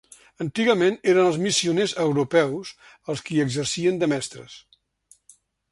Antigament eren els missioners europeus els qui exercien de mestres.